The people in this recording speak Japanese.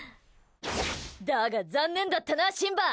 だが、残念だったなシンバ。